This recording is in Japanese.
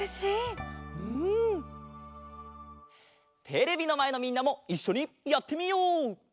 テレビのまえのみんなもいっしょにやってみよう！